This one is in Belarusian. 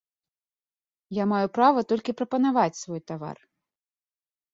Я маю права толькі прапанаваць свой тавар.